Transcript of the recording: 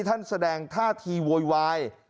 ท่านแสดงท่าทีโวยวาย